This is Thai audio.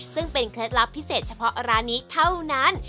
ซึ่งเป็นเคล็ดลับพิเศษเฉพาะร้านนี้เท่านั้น